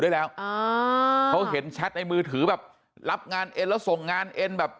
ได้แล้วอ่าเขาเห็นแชทในมือถือแบบรับงานเอ็นแล้วส่งงานเอ็นแบบ